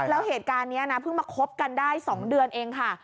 แล้วเหตุการณ์นี้นะเพิ่งมาคบกันได้๒เดือนเองค่ะ